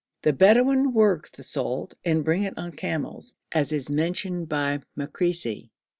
The Bedouin work the salt and bring it on camels, as is mentioned by Makrisi.